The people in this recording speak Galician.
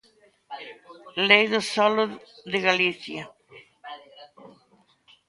Lei do solo de Galicia.